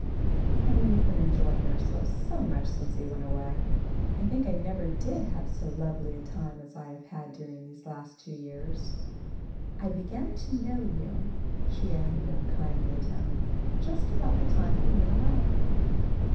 And we have been enjoying ourselves so much since he went away! I think I never did have so lovely a time as I have had during these last two years. I began to know you," she added, in a kindly tone, "just about the time he went away."